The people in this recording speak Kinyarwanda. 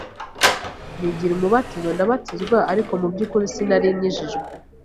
nigira umubatizo ndabatizwa ariko mu byukuri sinari nkijijwe